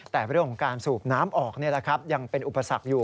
แต่เรื่องของการสูบน้ำออกยังเป็นอุปสรรคอยู่